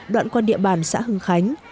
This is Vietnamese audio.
đoạn quan địa bàn xã hưng khánh